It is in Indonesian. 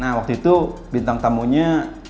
nah waktu itu bintang tamunya